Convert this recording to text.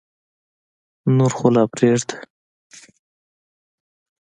نور خو لا پرېږده.